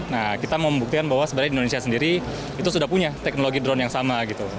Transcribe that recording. nah kita mau membuktikan bahwa sebenarnya di indonesia sendiri itu sudah punya teknologi drone yang sama gitu